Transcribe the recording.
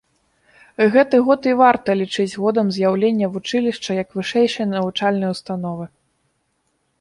Гэты год і варта лічыць годам з'яўлення вучылішча як вышэйшай навучальнай установы.